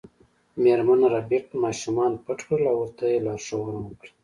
میرمن ربیټ ماشومان پټ کړل او ورته یې لارښوونه وکړه